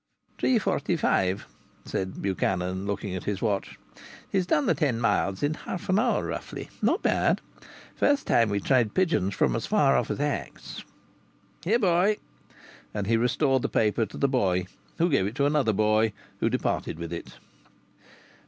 "Three forty five," said Buchanan, looking at his watch. "He's done the ten miles in half an hour, roughly. Not bad. First time we tried pigeons from as far off as Axe. Here, boy!" And he restored the paper to the boy, who gave it to another boy, who departed with it.